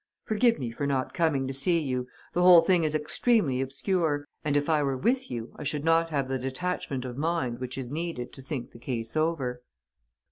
"Forgive me for not coming to see you. The whole thing is extremely obscure; and, if I were with you, I should not have the detachment of mind which is needed to think the case over."